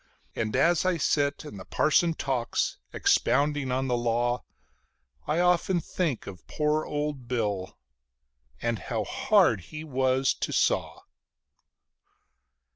And as I sit and the parson talks, expounding of the Law, I often think of poor old Bill and how hard he was to saw.